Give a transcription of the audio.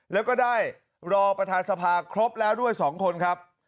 แล้วก็ได้รอประธานสภาครบแล้วด้วย๒คนครับ